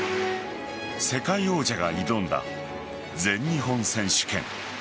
世界王者が挑んだ全日本選手権。